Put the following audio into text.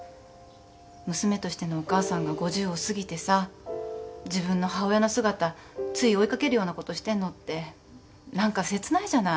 娘としてのお母さんが５０を過ぎてさ自分の母親の姿つい追い掛けるようなことしてんのって何か切ないじゃない。